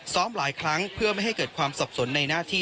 ซ้อมหลายครั้งเพื่อไม่ให้เกิดความสับสนในหน้าที่